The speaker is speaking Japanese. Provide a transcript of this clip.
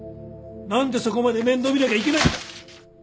なんでそこまで面倒見なきゃいけないんだ！